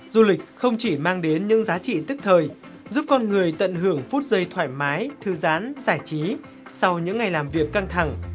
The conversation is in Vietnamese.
du lịch không chỉ mang đến những giá trị tức thời giúp con người tận hưởng phút giây thoải mái thư giãn giải trí sau những ngày làm việc căng thẳng